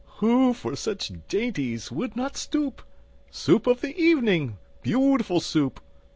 Who for such dainties would not stoop? Soup of the evening, beautiful Soup!